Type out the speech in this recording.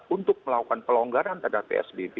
untuk melakukan pelonggaran terhadap psbb